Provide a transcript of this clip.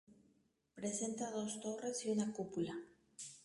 Presenta dos torres y una cúpula.